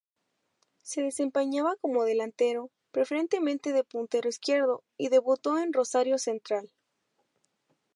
Se desempeñaba como delantero, preferentemente de puntero izquierdo, y debutó en Rosario Central.